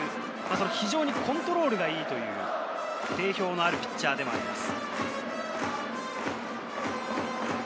非常にコントロールがいいという定評のあるピッチャーでもあります。